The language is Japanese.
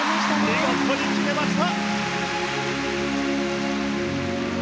見事に決めました！